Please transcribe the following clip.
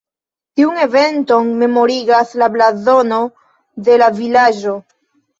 Tiun eventon memorigas la blazono de la vilaĝo.